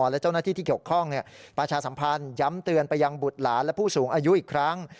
และผู้สูงอายุอีกครั้ง